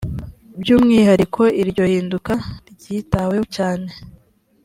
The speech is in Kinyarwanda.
by’umwihariko iryo hinduka ryitaweho cyane